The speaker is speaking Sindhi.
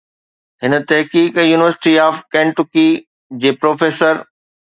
هن تحقيق يونيورسٽي آف Kentucky جي پروفيسر